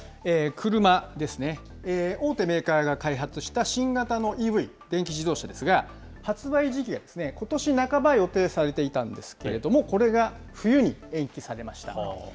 車ですね、大手メーカーが開発した新型のＥＶ・電気自動車ですが、発売時期がことし半ば予定されていたんですけれども、これが冬に延期されました。